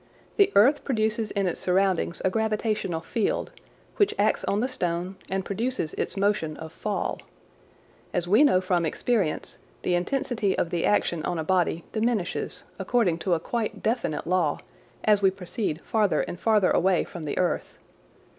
The earth produces in its surrounding a gravitational field, which acts on the stone and produces its motion of fall. As we know from experience, the intensity of the action on a body dimishes according to a quite definite law, as we proceed farther and farther away from the earth.